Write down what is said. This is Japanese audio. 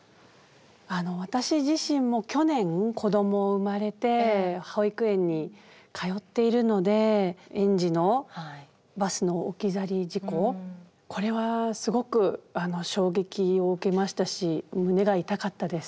私自身も去年子ども生まれて保育園に通っているので園児のバスの置き去り事故これはすごく衝撃を受けましたし胸が痛かったです。